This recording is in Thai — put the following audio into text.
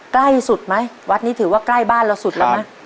ใกล้สุดไหมวัดนี้ถือว่าใกล้บ้านเราสุดแล้วไหม